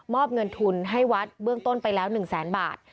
อบเงินทุนให้วัดเบื้องต้นไปแล้ว๑แสนบาท